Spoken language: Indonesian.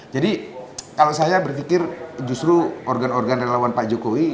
jadi kalau saya berpikir justru organ organ relawan pak jokowi